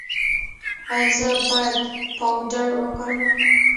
ایا زه باید پاوډر وکاروم؟